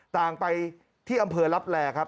ต่างไปที่อำเภอลับแลครับ